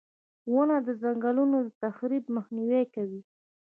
• ونه د ځنګلونو د تخریب مخنیوی کوي.